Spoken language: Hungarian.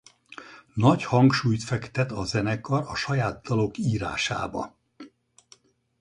Nagy hangsúlyt fektet a zenekar a saját dalok írásába.